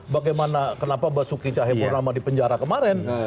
bagaimana kenapa basuki cahayapurnama di penjara kemarin